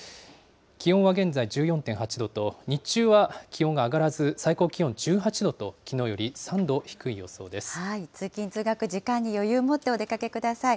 気温は現在１４．８度と、日中は気温が上がらず、最高気温１８度通勤・通学、時間に余裕をもってお出かけください。